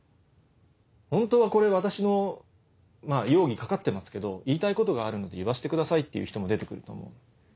「本当はこれ私のまぁ容疑かかってますけど言いたいことがあるので言わせてください」っていう人も出て来ると思う。